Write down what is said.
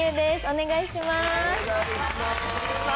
お願いします。